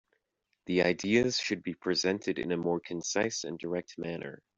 The ideas should be presented in a more concise and direct manner.